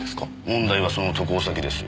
問題はその渡航先です。